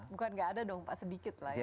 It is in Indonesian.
bukan nggak ada dong pak sedikit lah ya